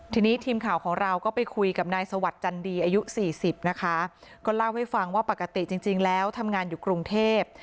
ทีนี้ทีมข่าวของเราก็ไปคุยกับนายสวัสดิ์จันดีอายุสี่สิบนะคะก็เล่าให้ฟังว่าปกติจริงแล้วทำงานอยู่กรุงเทพ